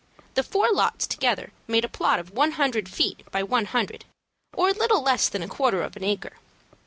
The four lots together made a plot of one hundred feet by one hundred, or a little less than quarter of an acre.